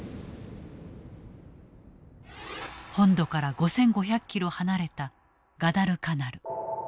本土から５，５００キロ離れたガダルカナル。